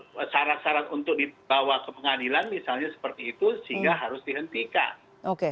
dan syarat syarat untuk dibawa ke pengadilan misalnya seperti itu sehingga harus dihentikan